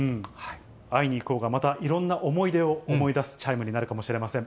会いにいこうが、またいろんな思い出を思い出すチャイムになるかもしれません。